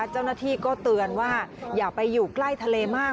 เจ้าหน้าที่ก็เตือนว่าอย่าไปอยู่ใกล้ทะเลมาก